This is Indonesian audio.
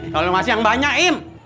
tolong kasih yang banyak im